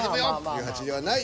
１８位ではない。